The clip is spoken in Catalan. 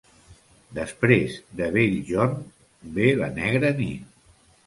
Després de bell jorn, ve la negra nit.